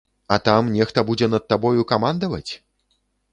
А там нехта будзе над табою камандаваць?